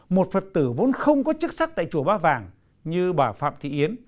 một phật tử vốn không có chức sắc tại chùa ba vàng như bà phạm thị yến